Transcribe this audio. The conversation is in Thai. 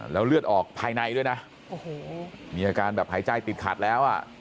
แล้วเลือดออกภายในด้วยนะโอ้โหมีอาการแบบหายใจติดขัดแล้วอ่ะ